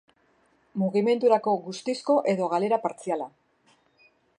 Mugimendurako guztizko edo galera partziala.